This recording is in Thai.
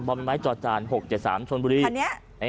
ไม้จอจาน๖๗๓ชนบุรีคันนี้